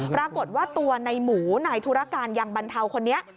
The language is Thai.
ปรากฏว่าตัวในหมูนายธุรการยังบรรเทาคนนี้